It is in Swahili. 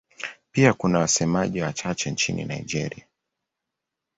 Pia kuna wasemaji wachache nchini Nigeria.